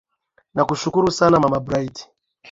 nakushukuru sana mama bridgit